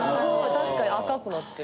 確かに赤くなってる。